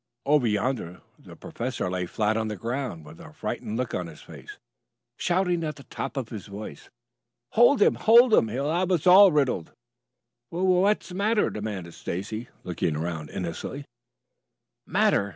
Over yonder the professor lay flat on the ground with a frightened look on his face, shouting at the top of his voice. "Hold him! Hold him! He'll have us all riddled!" "Wha what's the matter?" demanded Stacy looking around innocently. "Matter?